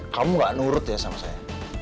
kamu gak nurut ya sama saya